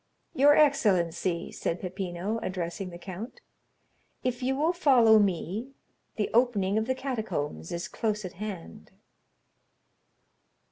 "Your excellency," said Peppino, addressing the count, "if you will follow me, the opening of the catacombs is close at hand."